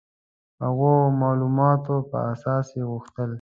د هغو معلوماتو په اساس یې غوښتل.